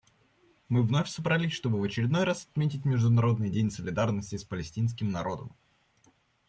Мы вновь собрались, чтобы в очередной раз отметить Международный день солидарности с палестинским народом.